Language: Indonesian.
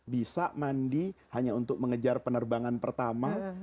bisa mandi hanya untuk mengejar penerbangan pertama